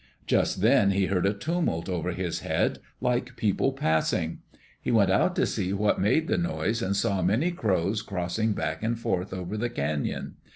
Just then he heard a tumult over his head, like people passing. He went out to see what made the noise and saw many crows crossing back and forth over the canon.